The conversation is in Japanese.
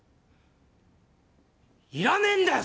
いらねぇんだよ